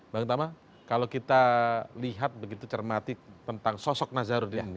bang thamma kalau kita lihat begitu cermati tentang sosok nazaruddin ini